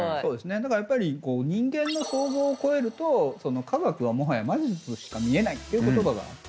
だからやっぱり人間の想像を超えると科学はもはや魔術としか見えないっていう言葉があって。